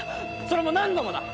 それも何度もだ。